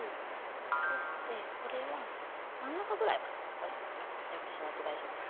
取ってこれは真ん中ぐらいまでここにやってしまって大丈夫です。